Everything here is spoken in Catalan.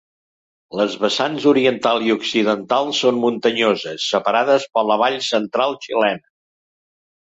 Les vessants oriental i occidental són muntanyoses, separades per la Vall Central Xilena.